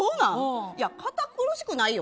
堅苦しくないよ。